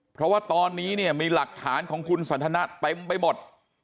เพราะว่าตอนนี้เนี่ยมีหลักฐานของคุณสันทนะเต็มไปหมด